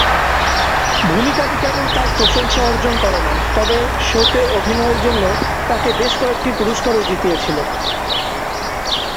ভূমিকাটি কেবল তার প্রশংসা অর্জন করে না তবে শোতে অভিনয়ের জন্য তাকে বেশ কয়েকটি পুরস্কারও জিতিয়েছিল।